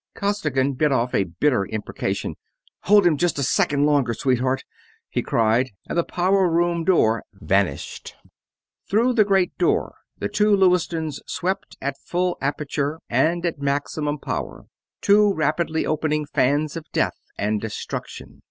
Costigan bit off a bitter imprecation. "Hold him just a second longer, sweetheart!" he cried, and the power room door vanished. Through the great room the two Lewistons swept at full aperture and at maximum power, two rapidly opening fans of death and destruction.